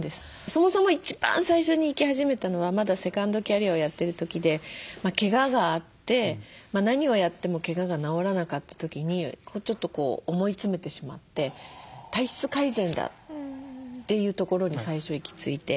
そもそも一番最初に行き始めたのはまだセカンドキャリアをやってる時でけががあって何をやってもけがが治らなかった時にちょっとこう思い詰めてしまって体質改善だ！っていうところに最初行き着いて。